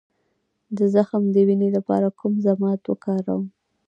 د زخم د وینې لپاره کوم ضماد وکاروم؟